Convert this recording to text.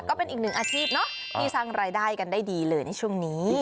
ก็เป็นอีกหนึ่งอาชีพเนอะที่สร้างรายได้กันได้ดีเลยในช่วงนี้